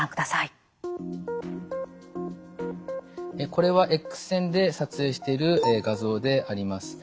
これはＸ線で撮影している画像であります。